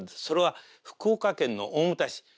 それは福岡県の大牟田市。